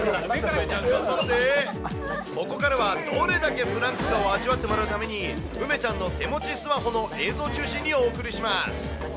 ここからは、どれだけフランクかを味わってもらうために、梅ちゃんの手持ちスマホの映像中心にお送りします。